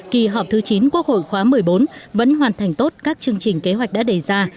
kỳ họp thứ chín quốc hội khóa một mươi bốn vẫn hoàn thành tốt các chương trình kế hoạch đã đề ra